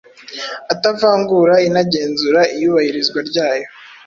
atavangura inagenzura iyubahirizwa ryayo.